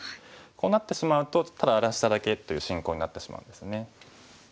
こうなってしまうとただ荒らしただけという進行になってしまうんですね。